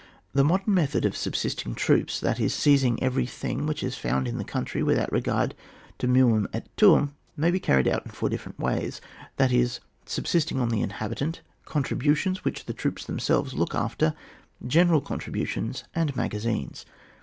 The modem method of subsisting troops, that is, seizing every thing which is to be found in the country without regard to meum et tuum may be carried out in four difierent ways : that is, subsisting on the inhabitant, contri butions which the troops themselves look after, general contributions and magazines.